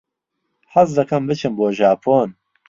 حەز دەکەم بچم بۆ ژاپۆن.